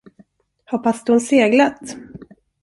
Har pastorn seglat?